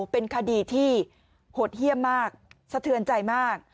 เป็นคดีที่หดเยี่ยมมากสะเทือนใจมาก